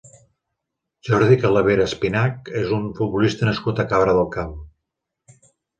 Jordi Calavera Espinach és un futbolista nascut a Cabra del Camp.